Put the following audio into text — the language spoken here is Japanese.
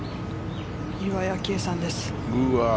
岩井明愛さんです。